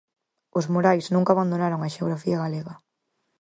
Os murais nunca abandonaron a xeografía galega.